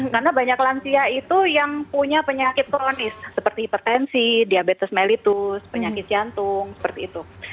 karena banyak lansia itu yang punya penyakit kronis seperti hipertensi diabetes mellitus penyakit jantung seperti itu